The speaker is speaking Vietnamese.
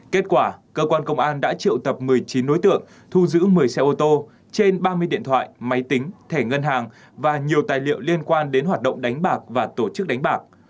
kết quả cơ quan công an đã triệu tập một mươi chín đối tượng thu giữ một mươi xe ô tô trên ba mươi điện thoại máy tính thẻ ngân hàng và nhiều tài liệu liên quan đến hoạt động đánh bạc và tổ chức đánh bạc